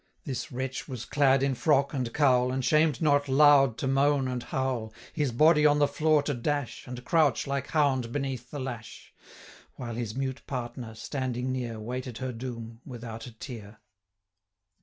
This wretch was clad in frock and cowl, And 'shamed not loud to moan and howl, His body on the floor to dash, 430 And crouch, like hound beneath the lash; While his mute partner, standing near, Waited her doom without a tear.